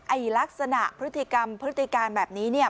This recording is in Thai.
ไอลักษณะพฤติกรรมพฤติการแบบนี้